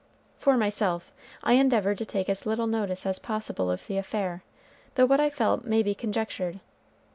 For myself, I endeavored to take as little notice as possible of the affair, though what I felt may be conjectured.